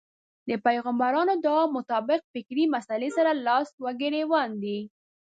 دې پيغمبرانه دعا مطابق فکري مسئلې سره لاس و ګرېوان دی.